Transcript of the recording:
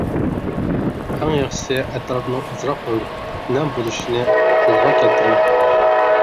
ئەڭ ياخشىسى ئەتراپنىڭ ئازراق ھۆل، نەم بولۇشىنى قولغا كەلتۈرۈڭ.